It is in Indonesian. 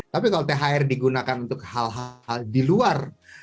tapi kalau thr digunakan untuk hal hal di luar